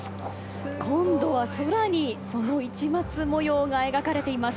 今度は空にその市松模様が描かれています。